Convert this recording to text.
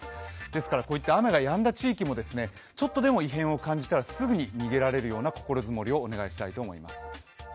ですから、こういった雨がやんだ地域もちょっとでも異変を感じたら、すぐに逃げられるような心積もりをお願いしたいと思います。